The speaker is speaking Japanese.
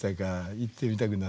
行ってみたくなる。